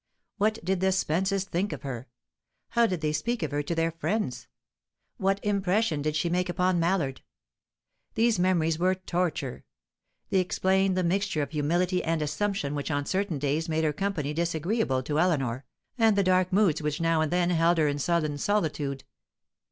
What did the Spences think of her? How did they speak of her to their friends? What impression did she make upon Mallard? These memories were torture; they explained the mixture of humility and assumption which on certain days made her company disagreeable to Eleanor, and the dark moods which now and then held her in sullen solitude.